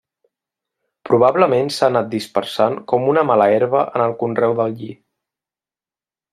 Probablement s'ha anat dispersant com una mala herba en el conreu del lli.